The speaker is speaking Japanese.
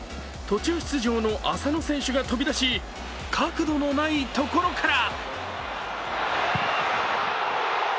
途中出場の浅野選手が飛び出し角度のないところから！